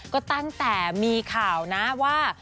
ก็ตั้งแต่มีข่าวนะว่า